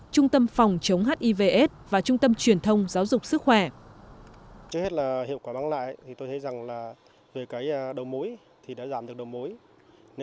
trung tâm phòng chống hivs và trung tâm truyền thông giáo dục sức khỏe